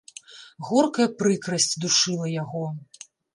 Горкая прыкрасць душыла яго.